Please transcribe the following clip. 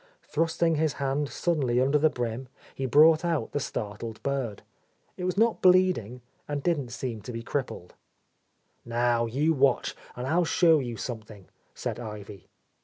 Thrusting his hand suddenly under the brim, he brought out the startled bird. It was not bleeding, and did not seem to be crippled. "Now, you watch, and I'll show you some thing," said Ivy.